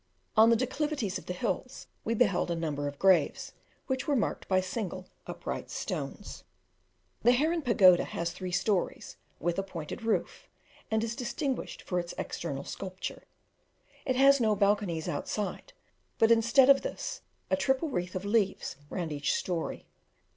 On the declivities of the hills, we beheld a number of graves, which were marked by single, upright stones. The Herren Pagoda has three stories, with a pointed roof, and is distinguished for its external sculpture. It has no balconies outside, but, instead of this, a triple wreath of leaves round each story.